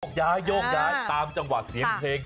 ย้ายโยกย้ายตามจังหวะเสียงเพลง